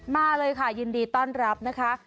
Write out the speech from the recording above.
มาเลยค่ะยินดีต้อนรับนะคะ